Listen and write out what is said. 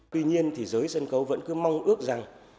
tuy nhiên thì giới sân khấu vẫn cứ mong ước rằng